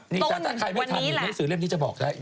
ใครไม่ทันอยู่ในสื่อเล่มนี้จะบอกได้